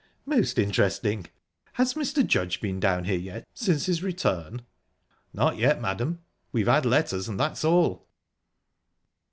"Most interesting! Has Mr. Judge been down here yet since his return?" "Not yet, madam. We've had letters, and that's all."